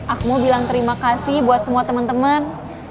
aku mau bilang terima kasih buat semua temen temen